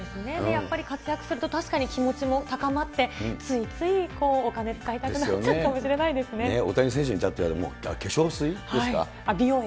やっぱり活躍すると、確かに気持ちも高まって、ついつい、お金使いたくなっちゃ大谷選手に至っては化粧水で美容液。